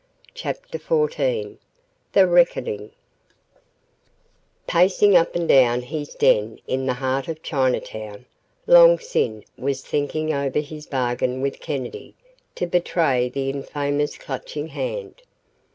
CHAPTER XIV THE RECKONING Pacing up and down his den in the heart of Chinatown, Long Sin was thinking over his bargain with Kennedy to betray the infamous Clutching Hand.